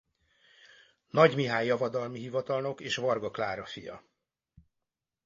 Nagy Mihály javadalmi hivatalnok és Varga Klára fia.